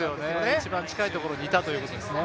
一番近いところにいたということですね。